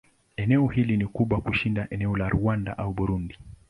Eneo hili ni kubwa kushinda eneo la Rwanda au Burundi.